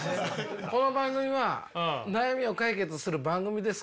この番組は悩みを解決する番組ですから。